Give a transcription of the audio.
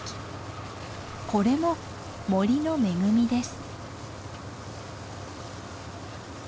これも森の恵みです。